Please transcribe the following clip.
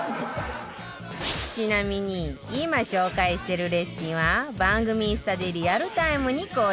ちなみに今紹介してるレシピは番組インスタでリアルタイムに更新中